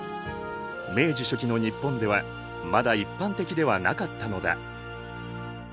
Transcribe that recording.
明治初期の日本ではまだ一般的ではなかったのだ。